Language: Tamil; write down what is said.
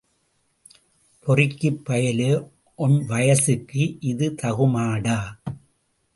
பொறுக்கிப் பயலே.... ஒண் வயசுக்கு இது தகுமாடா?